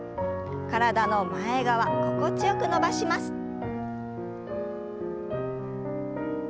体の前側心地よく伸ばします。